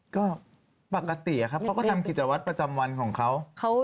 ก็ปกติครับเขาก็ทำกิจวัตรประจำวันของเขา